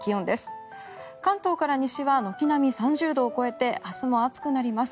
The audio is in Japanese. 関東から西は軒並み３０度を超えて明日も暑くなります。